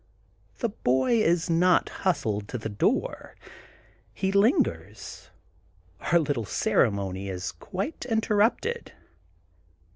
The boy is not hustled to the door. He lingers. Our little ceremony is quite interrupted.